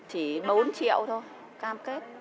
chỉ bốn triệu thôi cam kết